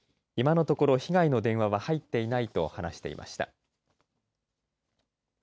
今のところ被害の情報は入っていないと話していました。